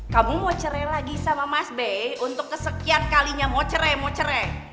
kamu mau cerai lagi sama mas bey untuk kesekian kalinya mau cerai mau cerai